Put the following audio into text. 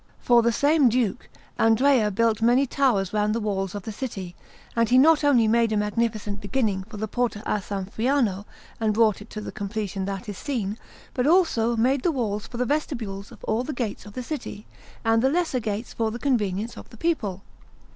For the same Duke Andrea built many towers round the walls of the city, and he not only made a magnificent beginning for the Porta a S. Friano and brought it to the completion that is seen, but also made the walls for the vestibules of all the gates of the city, and the lesser gates for the convenience of the people.